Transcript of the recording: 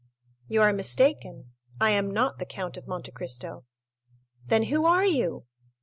"You are mistaken—I am not the Count of Monte Cristo." "Then who are you?"